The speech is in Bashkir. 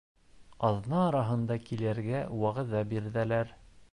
Аҙна араһында килергә вәғәҙә бирҙеләр...